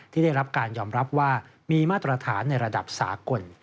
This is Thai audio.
ได้รับการยอมรับว่ามีมาตรฐานในระดับสากล